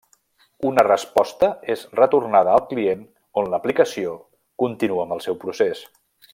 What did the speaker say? Una resposta és retornada al client on l'aplicació continua amb el seu procés.